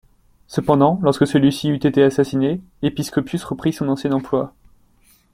Cependant, lorsque celui-ci eut été assassiné, Episcopius reprit son ancien emploi.